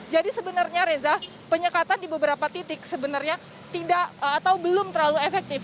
jadi sebenarnya reza penyekatan di beberapa titik sebenarnya tidak atau belum terlalu efektif